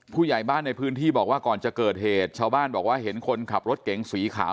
ผู้ใหญ่บ้านในพื้นที่บอกว่าก่อนจะเกิดเหตุชาวบ้านบอกว่าเห็นคนขับรถเก๋งสีขาว